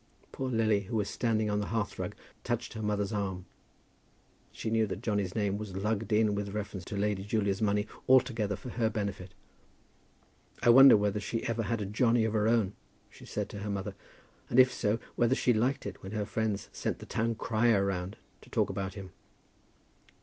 Poor Lily, who was standing on the hearth rug, touched her mother's arm. She knew that Johnny's name was lugged in with reference to Lady Julia's money altogether for her benefit. "I wonder whether she ever had a Johnny of her own," she said to her mother, "and, if so, whether she liked it when her friends sent the town crier round to talk about him."